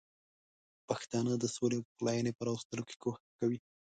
پښتانه د سولې او پخلاینې په راوستلو کې کوښښ کوي.